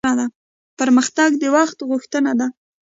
پرمختګ د وخت غوښتنه ده